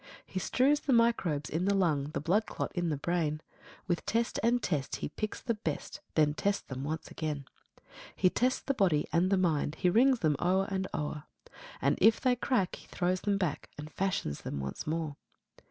6. He strews the microbes in the lung, The blood clot in the brain; With test and test He picks the best, Then tests them once again. 7. He tests the body and the mind, He rings them o'er and o'er; And if they crack, He throws them back, And fashions them once more.